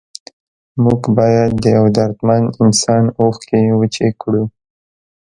موږ باید د یو دردمند انسان اوښکې وچې کړو.